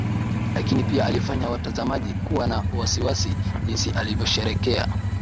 Lakini pia alifanya watazamaji kuwa na wasiwasi jinsi alivyosherehekea